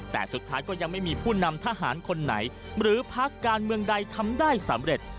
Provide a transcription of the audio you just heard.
แต่สุดท้ายก็ยังไม่มีผู้นำทหารคนไหนหรือพักการเมืองใดทำได้สำเร็จ